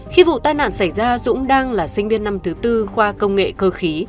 khi vụ tai nạn xảy ra dũng đang là sinh viên năm thứ tư khoa công nghệ cơ khí